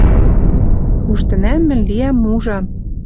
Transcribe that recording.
Уж тӹнӓм мӹнь лиӓм мужан